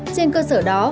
trên cơ sở đó